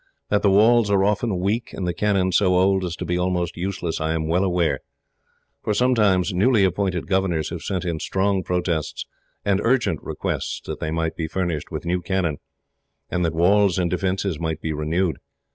That the walls are often weak, and the cannon so old as to be almost useless, I am well aware; for sometimes newly appointed governors have sent in strong protests, and urgent requests that they might be furnished with new cannon, and that walls and defences might be renewed.